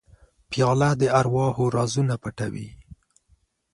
پیاله د ارواحو رازونه پټوي.